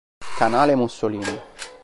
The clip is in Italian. Canale Mussolini.